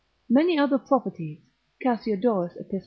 Many other properties Cassiodorus, epist.